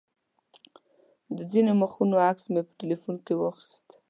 د ځینو مخونو عکس مې په تیلفون کې واخیست.